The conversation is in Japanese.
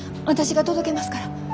私が届けますから。